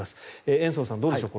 延増さん、どうでしょう。